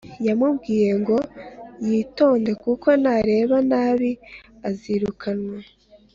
yamubwiye ngo yitonde kuko nareba nabi azirukanwa